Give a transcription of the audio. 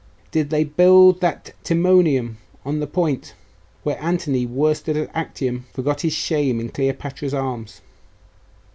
Did they build that Timonium on the point, where Antony, worsted at Actium, forgot his shame in Cleopatra's arms?